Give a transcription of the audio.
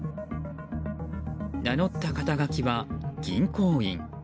名乗った肩書は銀行員。